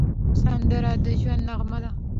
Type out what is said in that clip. سندره د ژوند نغمه ده